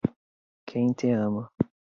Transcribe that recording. Quem te ama